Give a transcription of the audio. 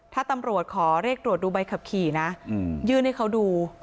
ถ้าตำรวจขอเรียกตรวจดูใบขับขี่นะยื่นให้เขาดู